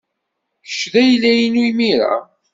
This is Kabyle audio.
Kečč d ayla-inu imir-a.